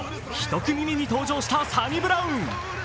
１組目に登場したサニブラウン。